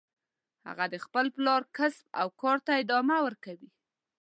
هغه د خپل پلار کسب او کار ته ادامه ورکوي